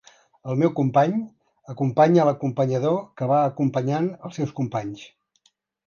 El meu company acompanya l'acompanyador que va acompanyant els seus companys.